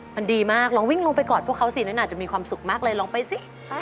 มันดีมากลองวิ่งลงไปกอดพวกเขาสินั้นอาจจะมีความสุขมากเลยลองไปสิ